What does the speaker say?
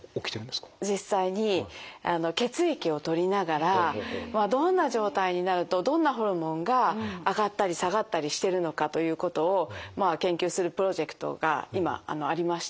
実際に血液をとりながらどんな状態になるとどんなホルモンが上がったり下がったりしてるのかということを研究するプロジェクトが今ありまして。